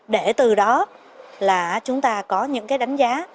để từ đó là chúng ta có những cái đánh giá